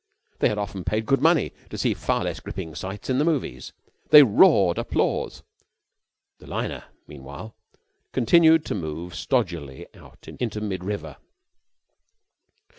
They had often paid good money to see far less gripping sights in the movies. They roared applause. The liner, meanwhile, continued to move stodgily out into mid river.